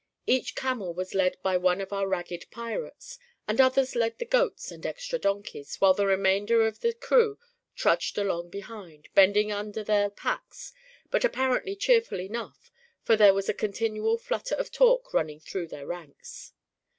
Each camel was led by one of our ragged pirates, and others led the goats and extra donkeys, while the remainder of the crew trudged along behind, bending under their packs, but apparently cheerful enough, for there was a continual flutter of talk running through their ranks.